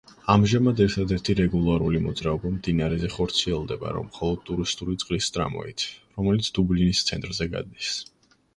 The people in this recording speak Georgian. ამჟამად ერთადერთი რეგულარული მოძრაობა მდინარეზე ხორციელდება მხოლოდ ტურისტული წყლის ტრამვაით, რომელიც დუბლინის ცენტრზე გადის.